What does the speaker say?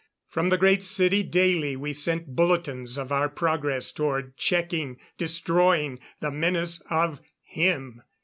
From the Great City daily we sent bulletins of our progress toward checking destroying the menace of him.